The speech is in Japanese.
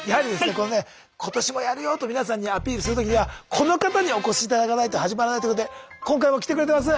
このね「今年もやるよ！」と皆さんにアピールするときにはこの方にお越し頂かないと始まらないということで今回も来てくれてます。